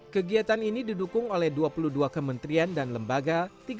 kegiatan ini didukung oleh dua puluh dua kementerian dan lembaga